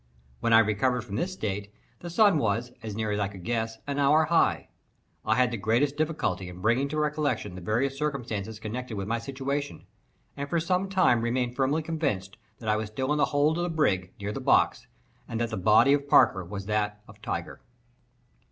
When I recovered from this state, the sun was, as near as I could guess, an hour high. I had the greatest difficulty in bringing to recollection the various circumstances connected with my situation, and for some time remained firmly convinced that I was still in the hold of the brig, near the box, and that the body of Parker was that of Tiger.